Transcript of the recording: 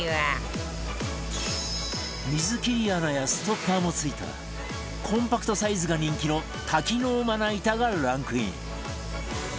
水切り穴やストッパーも付いたコンパクトサイズが人気の多機能まな板がランクイン